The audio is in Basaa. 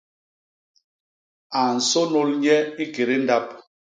A nsônôl nye ikédé ndap.